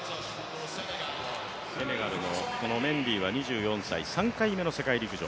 セネガルのメンディーは２４歳、３回目の世界陸上。